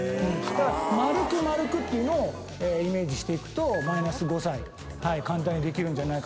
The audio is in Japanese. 丸く丸くっていうのをイメージしていくとマイナス５歳簡単にできるんじゃないかななんて思ってますけど。